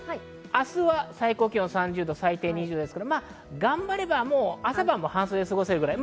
明日は最高気温３０度、最低２０度ですから頑張れば朝晩は半袖で過ごせるくらい。